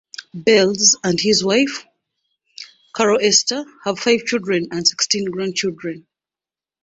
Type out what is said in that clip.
Belz and his wife, Carol Esther, have five children and sixteen grandchildren.